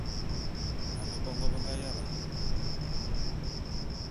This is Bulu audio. Ane mongô be nga yalane.